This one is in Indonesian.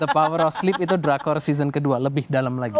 the power sleep itu drakor season kedua lebih dalam lagi